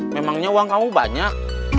memangnya uang kamu banyak